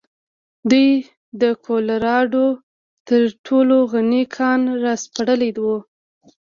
دوی د کولراډو تر ټولو غني کان راسپړلی و.